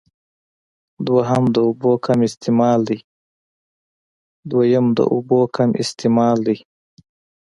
دويم د اوبو کم استعمال دی